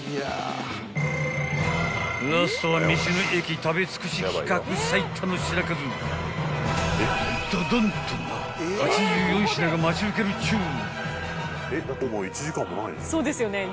［ラストは道の駅食べ尽くし企画最多の品数ドドンとな８４品が待ち受けるっちゅう］